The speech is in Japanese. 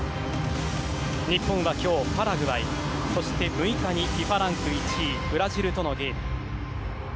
日本は今日、パラグアイそして６日にＦＩＦＡランク１位ブラジルとのゲーム。